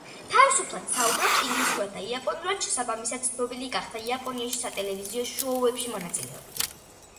თავისუფლად საუბრობს ინგლისურად და იაპონურად, შესაბამისად, ცნობილი გახდა იაპონიაში სატელევიზიო შოუებში მონაწილეობით.